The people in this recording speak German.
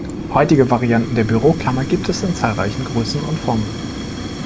Heutige Varianten der Büroklammer gibt es in zahlreichen Größen und Formen.